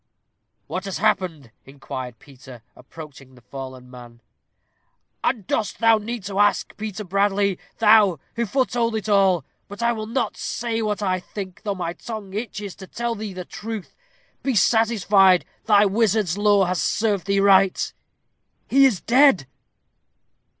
"What has happened?" inquired Peter, approaching the fallen man. "And dost thou need to ask, Peter Bradley? thou, who foretold it all? but I will not say what I think, though my tongue itches to tell thee the truth. Be satisfied, thy wizard's lore has served thee right he is dead."